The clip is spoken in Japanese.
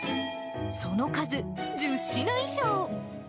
その数、１０品以上。